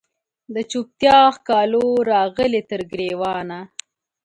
د چوپتیا ښکالو راغلې تر ګریوانه